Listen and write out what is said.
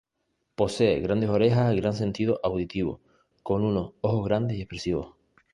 Posee grandes orejas y gran sentido auditivo, con unos ojos grandes y expresivos.